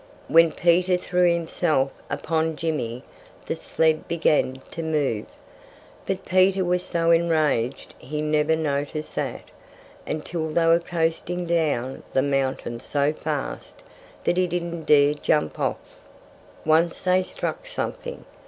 When Peter threw himself upon Jimmy the sled began to move. But Peter was so enraged he never noticed that, until they were coasting down the mountain so fast that he didn't dare jump off. Once they struck something.